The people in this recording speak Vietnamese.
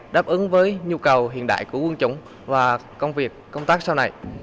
đáp ứng với nhu cầu hiện đại của quân chủng và công việc công tác sau này